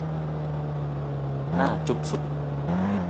น่าจุ๊บสุด